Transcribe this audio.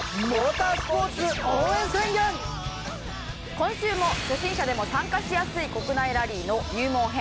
今週も初心者でも参加しやすい国内ラリーの入門編